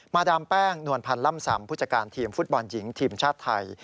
ดามแป้งนวลพันธ์ล่ำสำผู้จัดการทีมฟุตบอลหญิงทีมชาติไทย